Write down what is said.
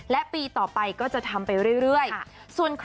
และปีต่อไปก็จะทำไปเรื่อย